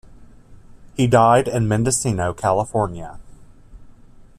He died in Mendocino, California.